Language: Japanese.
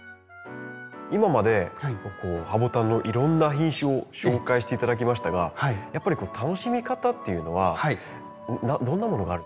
今までハボタンのいろんな品種を紹介して頂きましたがやっぱり楽しみ方っていうのはどんなものがある？